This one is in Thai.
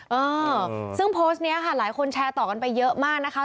เออซึ่งโพสต์นี้ค่ะหลายคนแชร์ต่อกันไปเยอะมากนะคะ